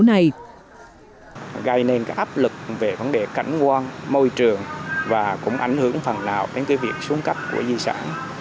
gây nên cái áp lực về vấn đề cảnh quan môi trường và cũng ảnh hưởng phần nào đến cái việc xuống cấp của di sản